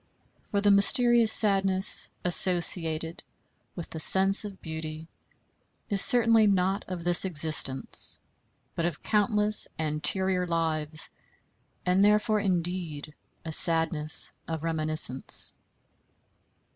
For the mysterious sadness associated with the sense of beauty is certainly not of this existence, but of countless anterior lives, and therefore indeed a sadness of reminiscence.